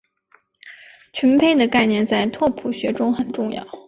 群胚的概念在拓扑学中很重要。